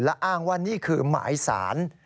และอ้างว่านี่คือหมายสาร